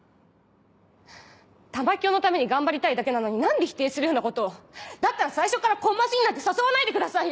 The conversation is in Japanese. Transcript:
玉響のために頑張りたいだけなのに何で否定するようなことだったら最初からコンマスになんて誘わないでくださいよ！